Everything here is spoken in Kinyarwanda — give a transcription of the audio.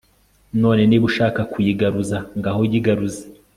none, niba ushaka kuyigaruza, ngaho yigaruze